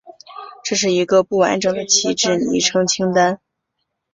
这是一个不完整的旗帜昵称清单。